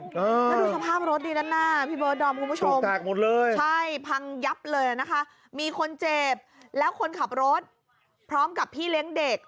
ดูสภาพรถดีแล้วนะพี่เบิร์ดดอมคุณผู้ชมพังยับเลยนะคะมีคนเจ็บแล้วคนขับรถพร้อมกับพี่เลี้ยงเด็ก